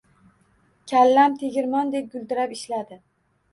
Kallam tegirmondek guldirab ishladi